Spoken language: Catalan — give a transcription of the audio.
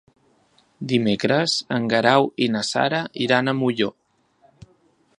Dimecres en Guerau i na Sara iran a Molló.